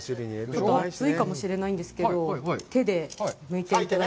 ちょっと熱いかもしれないんですけど、手でむいていただいて。